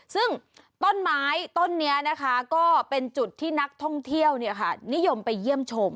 ซึ่งต้นไม้ต้นนี้นะคะก็เป็นจุดที่นักท่องเที่ยวนิยมไปเยี่ยมชม